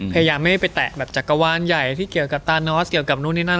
พยายามไม่ไปแตะแบบจักรวาลใหญ่ที่เกี่ยวกับตานอสเกี่ยวกับนู่นนี่นั่น